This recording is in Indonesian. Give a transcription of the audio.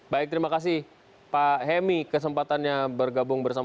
baik terima kasih pak hemi kesempatannya bergabung bersama kami